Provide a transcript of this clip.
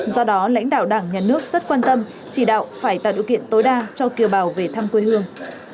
do đó lãnh đạo đảng nhà nước rất quan tâm chỉ đạo phải tạo điều kiện tối đa cho kiều bào về thăm quê hương